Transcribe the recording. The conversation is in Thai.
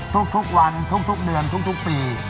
ทุกวันทุกเดือนทุกปี